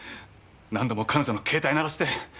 何度も彼女の携帯鳴らして。